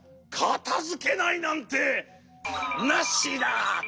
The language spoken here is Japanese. かたづけないなんてナッシだ！